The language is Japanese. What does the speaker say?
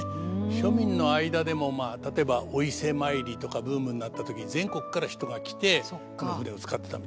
庶民の間でもまあ例えばお伊勢参りとかブームになった時に全国から人が来てこの船を使ってたみたいですね。